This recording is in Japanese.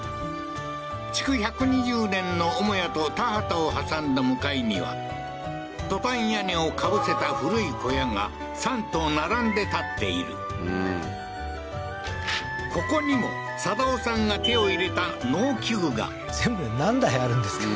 築１２０年の母屋と田畑を挟んだ向かいにはトタン屋根をかぶせた古い小屋が３棟並んで建っているここにも定夫さんが手を入れた農機具が全部で何台あるんですか？